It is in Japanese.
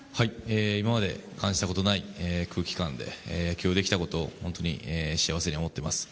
今まで感じたことのない空気感で野球をできたことを本当に幸せに思っています。